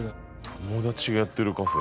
「友だちがやってるカフェ」